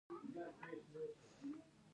یو توکی به له ډېرو نورو توکو سره مبادله کېده